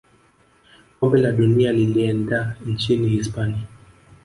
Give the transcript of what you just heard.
kombe la dunia lilienda nchini hispania